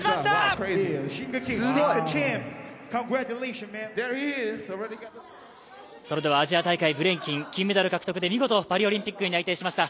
すごい！アジア大会ブレイキン、見事金メダルを取って、パリオリンピックに内定しました。